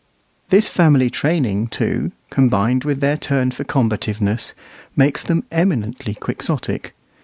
This family training, too, combined with their turn for combativeness, makes them eminently quixotic.